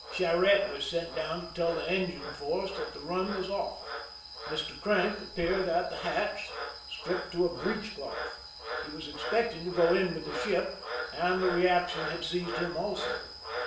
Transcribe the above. Charette was sent down to tell the engine force that the run was off. Mr. Crank appeared at the hatch, stripped to a breech cloth ; he was expecting to go in with the ship, and the reaction had seized him also.